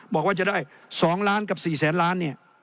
บอกว่าจะได้๒ล้านกับ๔แสนล้านเนี่ย